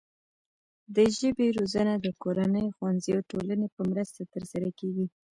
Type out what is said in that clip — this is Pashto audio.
د ژبې روزنه د کورنۍ، ښوونځي او ټولنې په مرسته ترسره کیږي.